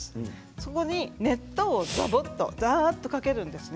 そこに熱湯をざっとかけるんですね。